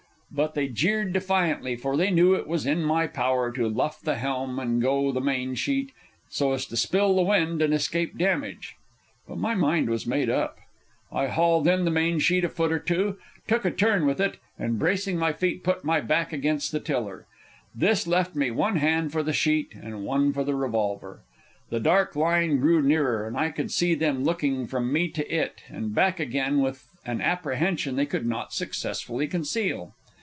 But they jeered defiantly, for they knew it was in my power to luff the helm and let go the main sheet, so as to spill the wind and escape damage. But my mind was made up. I hauled in the main sheet a foot or two, took a turn with it, and bracing my feet, put my back against the tiller. This left me one hand for the sheet and one for the revolver. The dark line drew nearer, and I could see them looking from me to it and back again with an apprehension they could not successfully conceal.